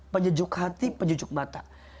penyujuk hati penyujuk mata